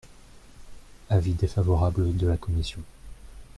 Avis défavorable de la commission.